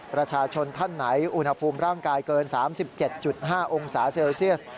ประชาชนท่านไหนอุณหภูมิร่างกายเกิน๓๗๕องศาเซลเซียส